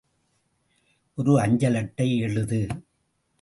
ஒரு அஞ்சலட்டை எழுது!